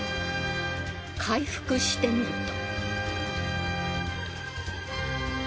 開腹してみると。